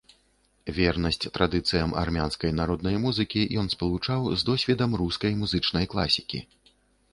Вернасць традыцыям армянскай народнай музыкі ён спалучаў з досведам рускай музычнай класікі.